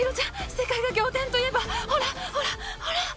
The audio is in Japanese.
世界が仰天といえばほらほらほら！